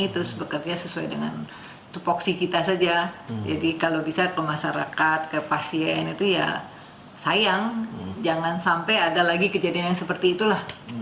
terus bekerja sesuai dengan tupoksi kita saja jadi kalau bisa ke masyarakat ke pasien itu ya sayang jangan sampai ada lagi kejadian yang seperti itulah